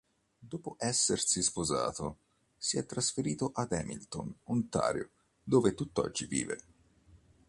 Dopo essersi sposato, si è trasferito ad Hamilton, Ontario, dove tutt'oggi vive.